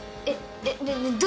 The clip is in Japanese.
えっ！